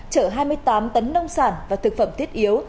chở hai mươi tám tấn nông sản và thực phẩm thiết yếu